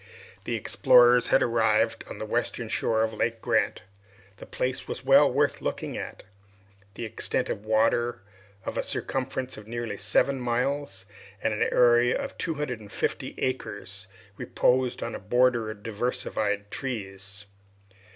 The explorers had arrived on the western shore of Lake Grant. The place was well worth looking at. This extent of water, of a circumference of nearly seven miles and an area of two hundred and fifty acres, reposed in a border of diversified trees.